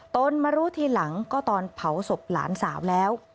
ตนมารู้ทีหลังก็ตอนเผาศพหลานสาวแล้ว